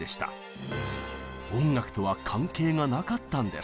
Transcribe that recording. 音楽とは関係がなかったんです。